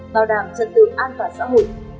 bảo đảm trật tự an toàn xã hội